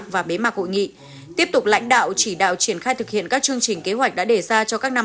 và tiếp tục lãnh đạo chỉ đạo triển khai thực hiện các chương trình kế hoạch đã đề ra cho các năm hai nghìn hai mươi bốn hai nghìn hai mươi năm